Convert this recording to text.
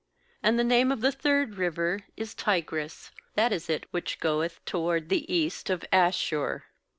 14And the name of the third river is aTigris; that is it which goeth toward the east of Asshur.